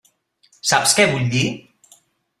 Saps què vull dir?